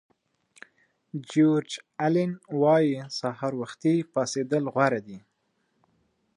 جیورج الین وایي سهار وختي پاڅېدل غوره دي.